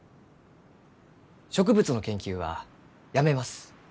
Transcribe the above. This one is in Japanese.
植物の研究はやめます。